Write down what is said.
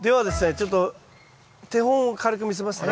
ちょっと手本を軽く見せますね。